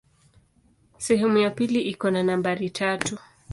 Sehemu ya pili iko na nambari tatu.